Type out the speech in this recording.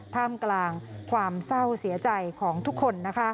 ท่ามกลางความเศร้าเสียใจของทุกคน